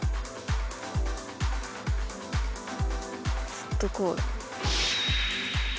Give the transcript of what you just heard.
ずっとこうだ。